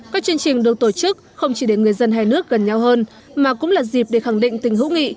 các chương trình được tổ chức không chỉ để người dân hai nước gần nhau hơn mà cũng là dịp để khẳng định tình hữu nghị